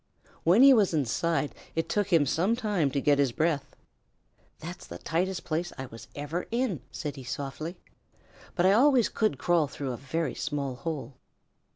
When he was inside it took him some time to get his breath. "That's the tightest place I ever was in," said he softly, "but I always could crawl through a very small hole."